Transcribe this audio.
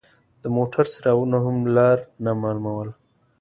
د موټر څراغونو هم لار نه مالوموله.